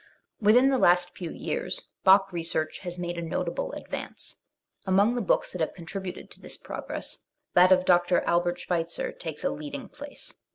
Within the last few years Bach research has made a notable advance. Among the books that have contributed to this progress, that of Dr, Albert Schweitzer takes a leading place.